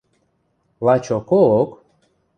– Лачоко-ок?